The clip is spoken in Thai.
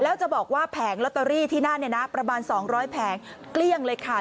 แล้วจะบอกว่าแผงลอตเตอรี่ที่นั่นเนี่ยนะประมาณ๒๐๐แผงเกลี้ยงเลยค่ะ